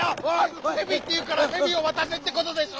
「へび」っていうから「へびをわたせ」ってことでしょ？